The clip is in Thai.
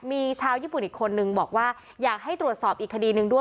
มีชาวญี่ปุ่นอีกคนนึงบอกว่าอยากให้ตรวจสอบอีกคดีหนึ่งด้วย